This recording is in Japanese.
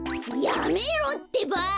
やめろってば！